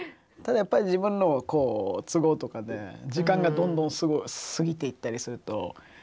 ただやっぱり自分の都合とかで時間がどんどん過ぎていったりすると。